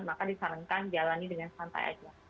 maka disarankan jalani dengan santai saja